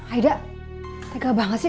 aida tega banget sih